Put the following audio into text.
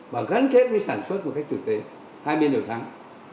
và gắn kết với sản xuất một cách thực tế hai bên đều thắng